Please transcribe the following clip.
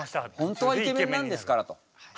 本当はイケメンなんですからと。